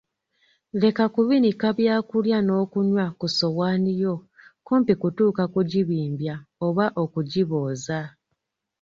Leka kubinika byakulya n'okunywa ku ssowaani yo kumpi kutuuka kugibimbya oba okigibooza.